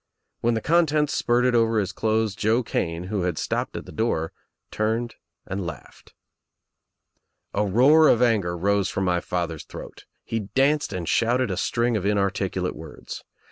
When the contents spurted over his clothes, Joe Kane, who had stopped at the door, turned and laughed. A roar of anger rose from my father's throat. He danced and shouted a string of inarticulate words.